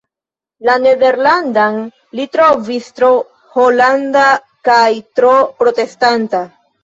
La nederlandan li trovis tro holanda kaj tro protestanta.